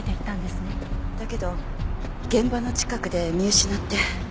だけど現場の近くで見失って。